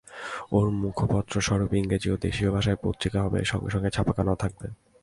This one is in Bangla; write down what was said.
ওর মুখপত্রস্বরূপ ইংরেজী ও দেশীয় ভাষায় পত্রিকা হবে, সঙ্গে সঙ্গে ছাপাখানাও থাকবে।